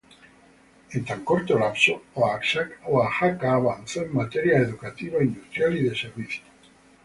En tan corto lapso, Oaxaca avanzó en materia educativa, industrial y de servicios.